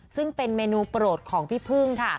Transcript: ซึ่งเป็นเมนูโปรดของพี่พึ่งค่ะ